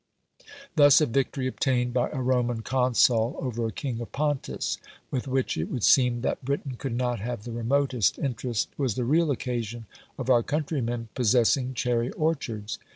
Thus a victory obtained by a Roman consul over a king of Pontus, with which it would seem that Britain could not have the remotest interest, was the real occasion of our countrymen possessing cherry orchards.